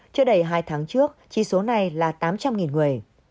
trước đầy hai tháng trước chi số này là tám trăm linh người